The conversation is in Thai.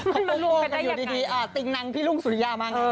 มันมาร่วงอยู่ดีอ่ะติ๊งนังพี่รุ่งสุริยามัน